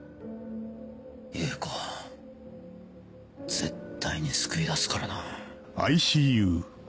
絶対に救い出すからな。